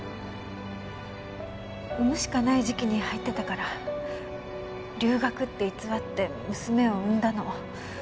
産むしかない時期に入ってたから留学って偽って娘を産んだの。